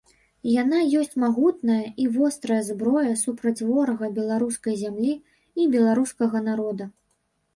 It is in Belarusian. Яна ёсць магутная і вострая зброя супраць ворага беларускай зямлі і беларускага народа.